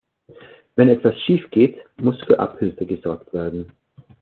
Wenn etwas schiefgeht, muss für Abhilfe gesorgt werden.